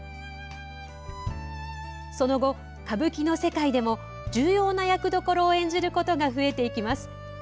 その後、歌舞伎の世界でも重要な役どころを演じることが増えていきます。